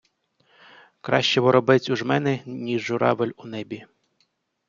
Краще воробець у жмени, ніж: журавель у небі.